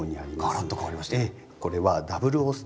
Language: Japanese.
がらっと変わりました。